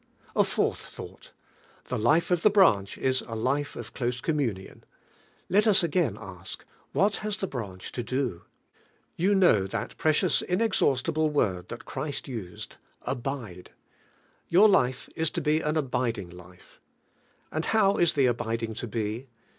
A fourth though!. The life of the brunch is a life of close communion. Let us again ash: What has the branch to do? You know that precious inexhaust ible word that Christ used: Abide. Your life is Jo he an abiding life. And how is the abiding to he?